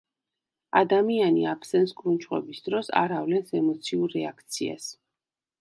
ადამიანი აბსენს კრუნჩხვების დროს არ ავლენს ემოციურ რეაქციას.